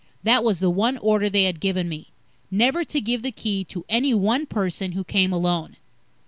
That was the one order they had given me never to give the Key to any one person who came alone.